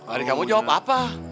aduh kamu jawab apa